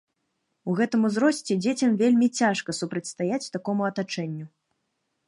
У гэтым узросце дзецям вельмі цяжка супрацьстаяць такому атачэнню.